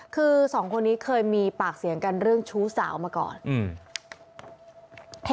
คือสองคนนี้เคยมีปากเสียงกันเรื่องชู้สาวมาก่อนอืม